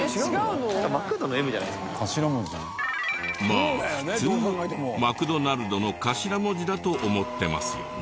まあ普通はマクドナルドの頭文字だと思ってますよね。